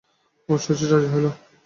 শচীশ রাজি হইল।